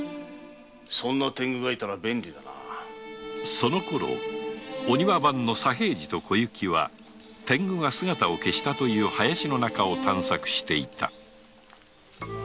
そのころお庭番の左平次と小雪は天狗が姿を消したという林の中を探索していた